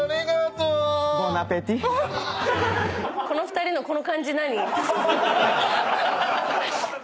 この２人の。